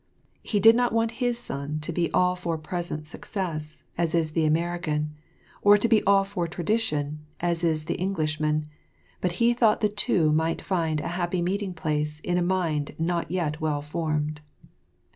He did not want his son to be all for present success, as is the American, or to be all for tradition, as is the Englishman, but he thought the two might find a happy meeting place in a mind not yet well formed.